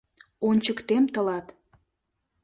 Ончыктем тылат!..